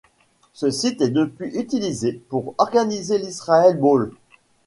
Ce site est depuis utilisé pour organiser l'Israël Bowl.